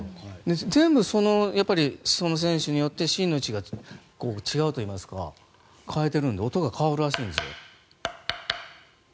全部その選手によって芯の位置が違うといいますか変えているので音が変わるらしいんですよ。